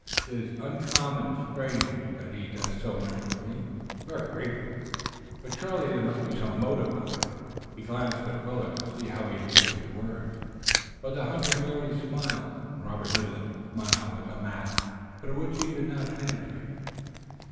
It's uncommon strange that he does so much for me. I'm very grateful, but surely there must be some motive behind it." He glanced at Willet to see how he took his words, but the hunter merely smiled, and Robert knew that the smile was a mask through which he could not penetrate.